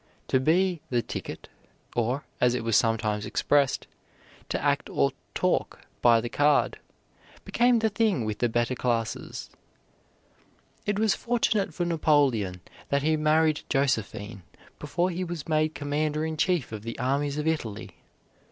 To be "the ticket," or, as it was sometimes expressed, to act or talk by the card, became the thing with the better classes. It was fortunate for Napoleon that he married Josephine before he was made commander in chief of the armies of Italy.